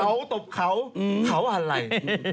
บ๊วยคุณทบเขาเขาอะไร